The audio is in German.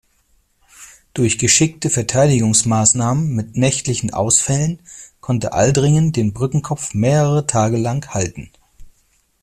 Durch geschickte Verteidigungsmaßnahmen mit nächtlichen Ausfällen konnte Aldringen den Brückenkopf mehrere Tage lang halten.